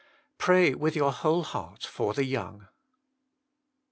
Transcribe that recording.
Pray with your whole heart for the young.